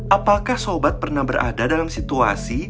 apakah sobat pernah berada dalam situasi